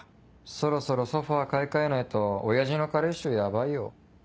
そろそろソファ買い替えないと親父の加齢臭ヤバいよ。